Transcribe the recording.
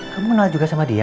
kamu kenal juga sama dia